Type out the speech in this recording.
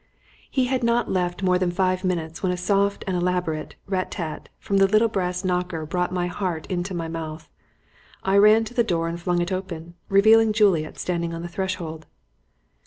He had not left more than five minutes when a soft and elaborate rat tat from the little brass knocker brought my heart into my mouth. I ran to the door and flung it open, revealing Juliet standing on the threshold.